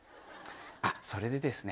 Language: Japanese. あっそれでですね